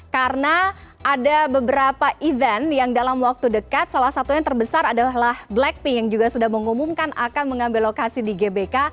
karena ada beberapa event yang dalam waktu dekat salah satunya yang terbesar adalah blackpink yang juga sudah mengumumkan akan mengambil lokasi di gbk